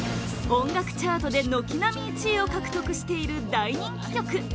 音楽チャートで軒並み１位を獲得している大人気曲